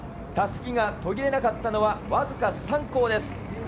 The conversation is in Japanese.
たすきが途切れなかったのは僅か３校です。